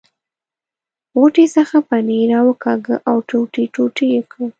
غوټې څخه پنیر را وکاږه او ټوټې ټوټې یې کړ.